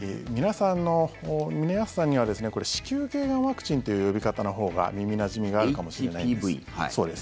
皆さんには子宮頸がんワクチンという呼び方のほうが耳なじみがあると思います。